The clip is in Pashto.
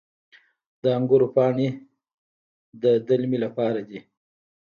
د انګورو پاڼې د دلمې لپاره دي.